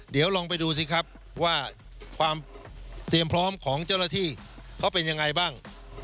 เดี๋ยวลองไปดูสิครับว่าความเตรียมพร้อมของเจ้าหน้าที่เขาเป็นยังไงบ้าง